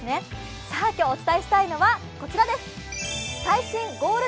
今日、お伝えしたいのはこちらです。